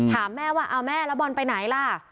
ถามแม่ว่าเอาแม่แล้วบอลไปไหนล่ะ